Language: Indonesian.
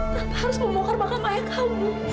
nah harus membongkar makam ayah kamu